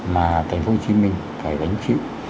mà thành phố hồ chí minh phải đánh chịu